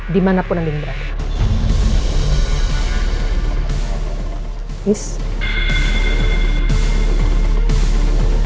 dimanapun andi berada